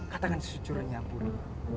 katakan sejujurnya puri